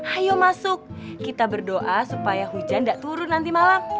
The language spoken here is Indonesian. ayo masuk kita berdoa supaya hujan tidak turun nanti malam